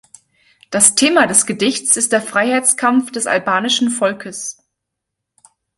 Das Thema des Gedichts ist der Freiheitskampf des albanischen Volkes.